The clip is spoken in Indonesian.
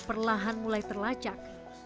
perlahan mulai terlacak